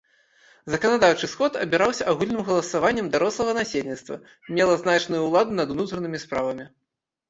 Заканадаўчы сход абіраўся агульным галасаваннем дарослага насельніцтва, мела значную ўладу над унутранымі справамі.